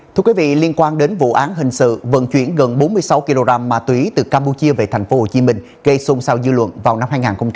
thưa quý vị liên quan đến vụ án hình sự vận chuyển gần bốn mươi sáu kg ma túy từ campuchia về tp hcm gây xôn xao dư luận vào năm hai nghìn một mươi